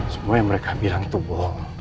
semua yang mereka bilang itu bohong